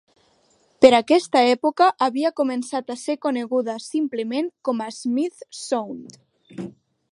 Per aquesta època havia començat a ser coneguda simplement com a "Smith Sound".